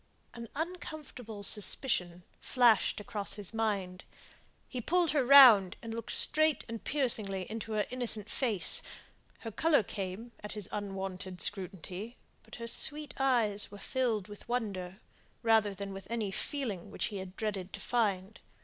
An uncomfortable suspicion flashed across his mind. He pulled her round, and looked straight and piercingly into her innocent face. Her colour came at his unwonted scrutiny, but her sweet eyes were filled with wonder, rather than with any feeling which he dreaded to find.